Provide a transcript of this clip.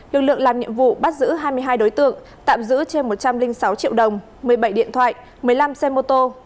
lực lượng làm nhiệm vụ bắt giữ hai mươi hai đối tượng tạm giữ trên một trăm linh sáu triệu đồng một mươi bảy điện thoại một mươi năm xe mô tô